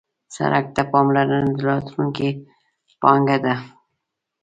سړک ته پاملرنه د راتلونکي پانګه ده.